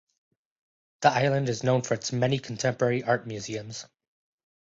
The island is known for its many contemporary art museums.